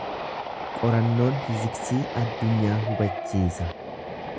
Qorannoon fiiziksii addunyaa hubachiisa.